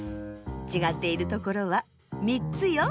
ちがっているところは３つよ。